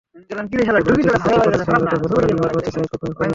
দুপুরের দিকে city college কেন্দ্র দখল করেন মেয়র প্রার্থী সাঈদ খোকনের কর্মীরা।